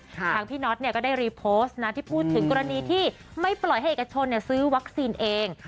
ทางพี่น็อตก็ได้รีโพสต์นะที่พูดถึงกรณีที่ไม่ปล่อยให้เอกชนซื้อวัคซีนเอง